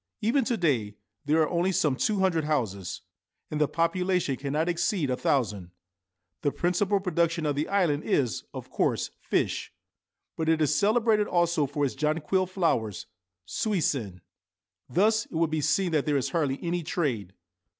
Even to day there are only some two hundred houses, and the population cannot exceed a thousand. The principal production of the island is, of course, fish ; but it is celebrated also for its jonquil flowers (suisenn). Thus it will be seen that there is hardly any trade.